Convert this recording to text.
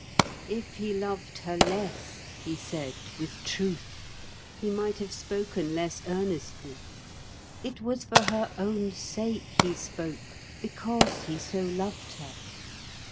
If he loved her less, he said with truth, he might have spoken less earnestly. It was for her own sake he spoke, because he so loved her.